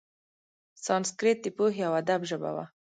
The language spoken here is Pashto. سانسکریت د پوهې او ادب ژبه وه.